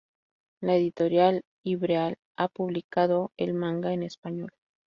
La editorial Ivrea ha publicado el manga en español.